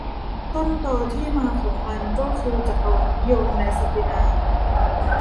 ต้นตอที่มาของมันก็คือ จักรวรรดินิยม และศักดินา